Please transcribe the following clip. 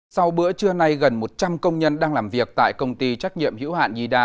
sau bữa trưa nay gần một trăm linh công nhân đang làm việc tại công ty trách nhiệm hữu hạn nhi đa